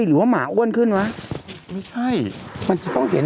หรือว่าหมาอ้วนขึ้นหวะไม่ใช่มันจะต้องดิน